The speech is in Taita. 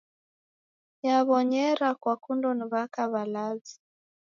Yaw'onyera kwakundo ni w'aka w'alazi